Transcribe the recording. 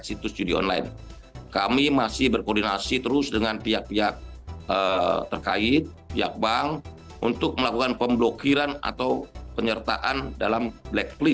selamat sore pak menteri